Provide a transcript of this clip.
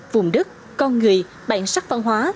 vùng đất con người bản sắc văn hóa